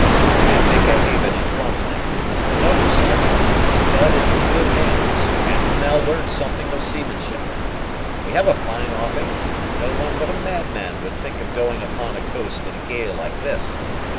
"And make a haven in Frontenac. No, Sergeant; the Scud is in good hands, and will now learn something of seamanship. We have a fine offing, and no one but a madman would think of going upon a coast in a gale like this.